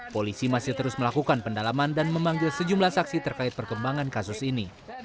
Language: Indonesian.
polisi masih terus melakukan pendalaman dan memanggil sejumlah saksi terkait perkembangan kasus ini